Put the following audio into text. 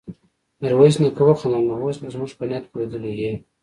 ميرويس نيکه وخندل: نو اوس به زموږ په نيت پوهېدلی يې؟